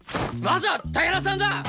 まずは竹田さんだ！